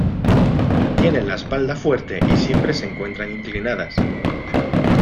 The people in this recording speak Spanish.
Tienen la espalda fuerte y siempre se encuentran inclinadas.